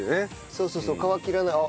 そうそうそう皮切らない。